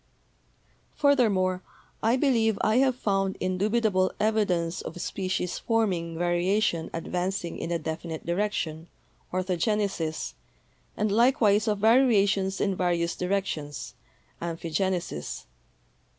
Furthermore, I believe I have found indubitable evidence of species form ing variation advancing in a definite direction (ortho genesis) and likewise of variations in various directions (amphigenesis).